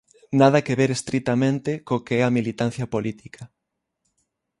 Nada que ver estritamente, co que é a militancia política.